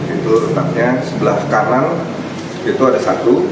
itu retaknya sebelah kanan itu ada satu